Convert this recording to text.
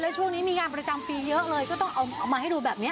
ช่วงนี้มีงานประจำปีเยอะเลยก็ต้องเอามาให้ดูแบบนี้